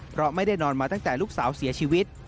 เพราะไม่ได้นอนมาตั้งแต่ลูกสาวเสียชีวิต